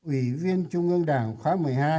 ủy viên trung ương đảng khóa một mươi hai